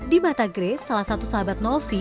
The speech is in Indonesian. di mata grace salah satu sahabat novi